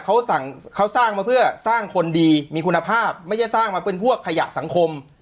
เขาสั่งเขาสร้างมาเพื่อสร้างคนดีมีคุณภาพไม่ใช่สร้างมาเป็นพวกขยะสังคม